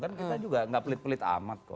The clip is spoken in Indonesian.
kan kita juga nggak pelit pelit amat kok